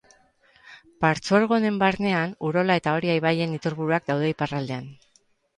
Partzuergo honen barnean, Urola eta Oria ibaien iturburuak daude iparraldean.